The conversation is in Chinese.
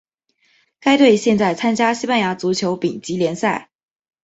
该队现在参加西班牙足球丙级联赛。